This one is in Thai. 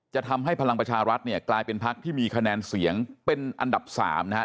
ทำให้พลังประชารัฐเนี่ยกลายเป็นพักที่มีคะแนนเสียงเป็นอันดับ๓นะครับ